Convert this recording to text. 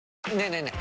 ねえねえ